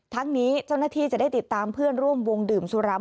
ทั้งนี้เจ้าหน้าที่จะได้ติดตามเพื่อนร่วมวงดื่มสุราม